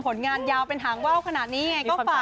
ผลงานยาวเป็นหางเว้าขนาดนี้ไง